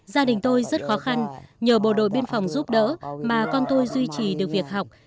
gia đình tôi rất khó khăn nhờ bộ đội biên phòng giúp đỡ mà con tôi duy trì được việc học